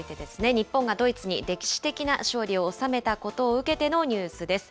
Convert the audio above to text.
日本がドイツに歴史的な勝利を収めたことについてのニュースです。